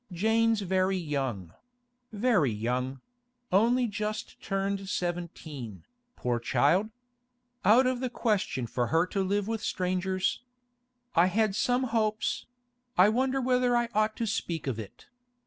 Jane's very young—very young; only just turned seventeen, poor child! Out of the question for her to live with strangers. I had some hopes—I wonder whether I ought to speak of it?